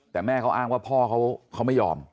แต่แม่เขาอ้างว่าพ่อเขาไม่ยอม